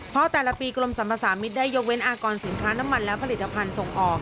เพราะแต่ละปีกรมสรรพสามิตรได้ยกเว้นอากรสินค้าน้ำมันและผลิตภัณฑ์ส่งออก